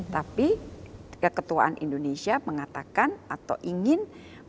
tapi keketuaan indonesia mengatakan atau ingin